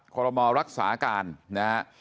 คอรมทรักษาการนะครับ